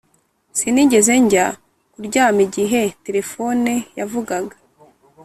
sinigeze njya kuryama igihe terefone yavugaga.